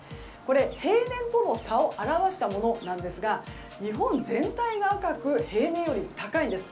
平年との差を表したものですが日本全体が赤く平年より高いんです。